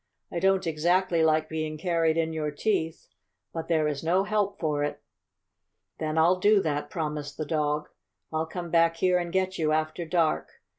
"I don't exactly like being carried in your teeth, but there is no help for it." "Then I'll do that," promised the dog. "I'll come back here and get you after dark.